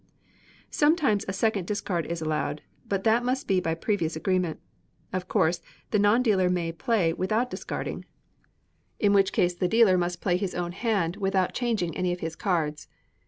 Sometimes a second discard is allowed, but that must be by previous agreement. Of course the non dealer may play without discarding, in which case the dealer must play his own hand without changing any of his cards.